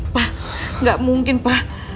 pak gak mungkin pak